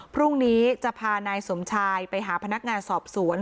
พรุ่งนี้จะพานายสมชายไปหาพนักงานสอบสวน